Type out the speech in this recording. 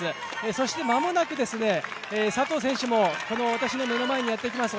そして間もなく佐藤選手もこの私の目の前にやってきます